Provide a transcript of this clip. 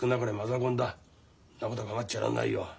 んなこと構っちゃらんないよ。